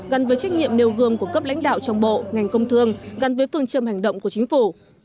gắn với trách nhiệm nêu gương của cấp lãnh đạo trong bộ ngành công thương gắn với phương châm hành động của chính phủ